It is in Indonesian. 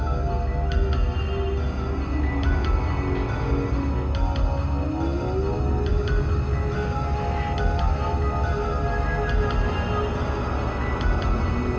hai sekarang kamu terserah kamu mau main kamu makan kamu mau minum kamu ambil aja di dapur